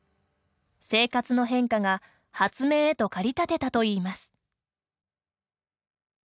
生活の変化が発明へと駆り立てたといいます。